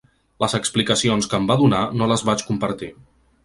Les explicacions que em va donar no les vaig compartir.